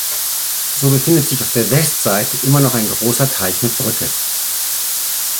So befindet sich auf der Westseite immer noch ein großer Teich mit Brücke.